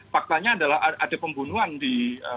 faktanya adalah ada pembunuhan di